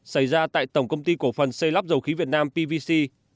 xảy ra tại tổng công ty cổ phần xây lắp dầu khí việt nam pvc